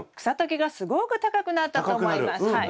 草丈がすごく高くなったと思います。